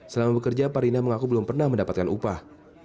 selama bekerja parinah mengaku belum pernah mendapatkan upah